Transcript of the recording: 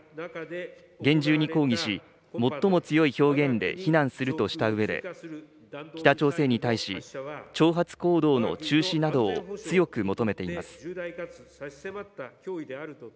厳重に抗議し、最も強い表現で非難するとしたうえで、北朝鮮に対し、挑発行動の中止などを強く求めています。